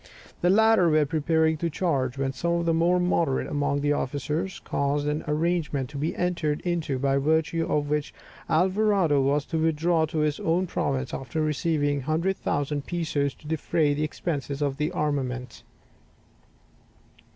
The latter were preparing to charge, when some of the more moderate among the officers caused an arrangement to be entered into, by virtue of which Alvarado was to withdraw to his own province after receiving 100,000 pesos to defray the expenses of the armament.